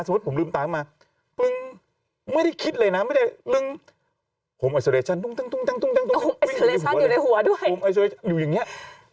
สมมุติผมลืมตาขึ้นมา